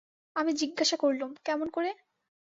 – আমি জিজ্ঞাসা করলুম, কেমন করে?